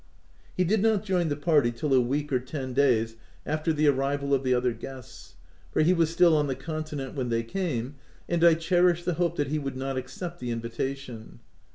He did not join the party till a week or ten OF WILDFELL HALL. 25 days after the arrival of the other guests ; for he was still on the continent when they came, and I cherished the hope that he would not accept the invitation.